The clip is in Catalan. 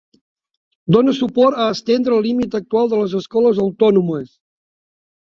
Dona suport a estendre el límit actual de les escoles autònomes.